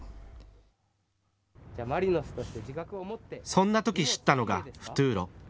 そんなとき知ったのがフトゥーロ。